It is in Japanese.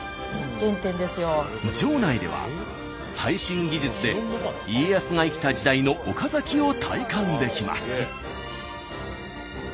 城内では最新技術で家康が生きた時代の岡崎を体感できます。